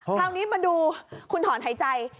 คราวนี้มาดูคุณถอนหายใจ